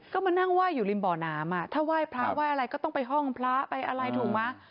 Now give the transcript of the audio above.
ก็มานั่งไหว้อยู่ริมบ่อน้ำอ่ะถ้าไหว้พระไหว้อะไรก็ต้องไปห้องพระไปอะไรถูกไหม